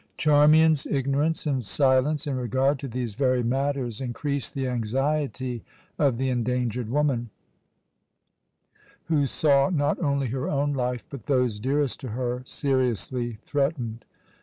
Charmian's ignorance and silence in regard to these very matters increased the anxiety of the endangered woman, who saw not only her own life, but those dearest to her, seriously threatened.